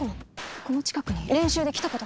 この近くに練習で来たことがあります。